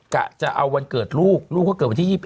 กะจะเอาวันเกิดลูกลูกเขาเกิดวันที่๒๑